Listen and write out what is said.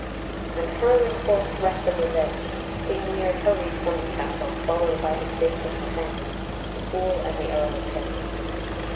And, hurling forth threats of revenge, King Lear hurried from the castle, followed by his faithful companions, the Fool and the Earl of Kent.